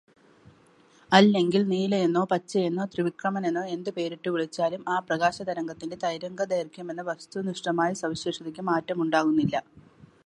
അല്ലെങ്കിൽ, നീലയെന്നോ പച്ചയെന്നോ ത്രിവിക്രമനെന്നോ എന്തു പേരിട്ടു വിളിച്ചാലും ആ പ്രകാശതരംഗത്തിന്റെ തരംഗദർഗ്ഘ്യമെന്ന വസ്തുനിഷ്ഠമായ സവിശേഷതയ്ക്കു മാറ്റമുണ്ടാകുന്നില്ല.